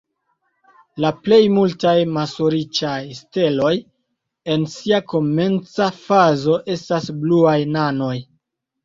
La plej multaj maso-riĉaj steloj en sia komenca fazo estas bluaj nanoj.